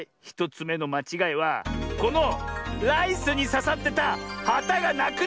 １つめのまちがいはこのライスにささってたはたがなくなってる！